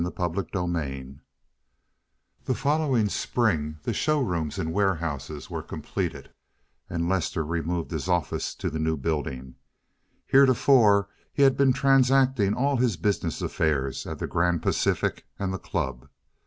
CHAPTER XXXII The following spring the show rooms and warehouse were completed, and Lester removed his office to the new building. Heretofore, he had been transacting all his business affairs at the Grand Pacific and the club.